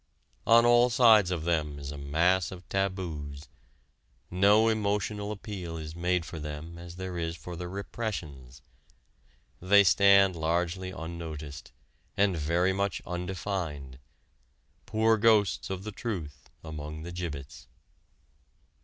On all sides of them is a mass of taboos. No emotional appeal is made for them as there is for the repressions. They stand largely unnoticed, and very much undefined poor ghosts of the truth among the gibbets.